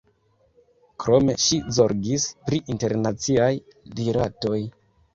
Krome ŝi zorgis pri internaciaj rilatoj.